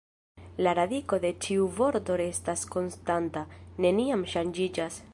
La radiko de ĉiu vorto restas konstanta, neniam ŝanĝiĝas.